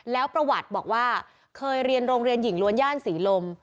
แล้วประวัติบอกว่าเคยเรียนโรงเรียนหญิงล้วนย่านศรีลม